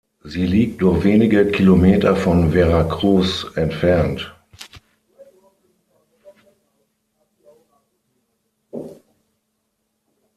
Sie liegt nur wenige Kilometer von Veracruz entfernt.